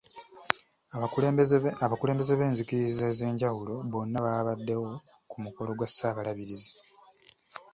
Abakulembeze b'enzikiriza ez'enjawulo bonna baabaddewo ku mukolo gwa Ssaabalabirizi.